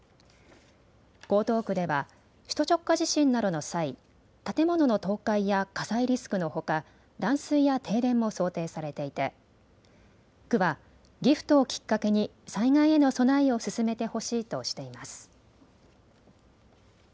江東区では首都直下地震などの際、建物の倒壊や火災リスクのほか断水や停電も想定されていて区はギフトをきっかけに災害への備えを進めてほしいとしています。